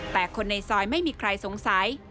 แต่คนในซอยไม่มีใครสงสัย